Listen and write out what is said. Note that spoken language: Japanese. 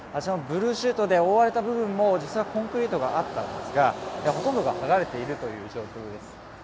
ブルーシートで覆われた部分も実際はコンクリートがあったんですが、ほとんどがはがれている状況です。